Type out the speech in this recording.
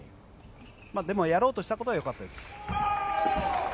でもやろうとしたことはよかったです。